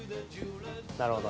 なるほどね。